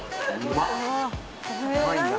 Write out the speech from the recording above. うまいんだ。